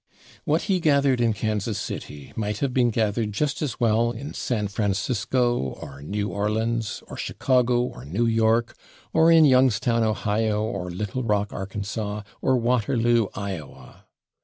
What he gathered in Kansas City might have been gathered just as well in San Francisco, or New Orleans, or Chicago, or New York, or in Youngstown, O., or Little Rock, Ark., or Waterloo, Iowa.